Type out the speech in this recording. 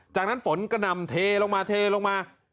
จากนั้นฝนกระหน่ำเทลงมาเทลงมา